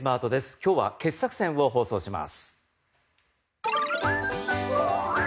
今日は傑作選を放送します。